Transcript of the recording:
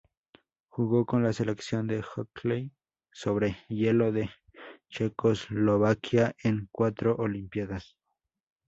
Jugó con la selección de hockey sobre hielo de Checoslovaquia en cuatro olimpiadas.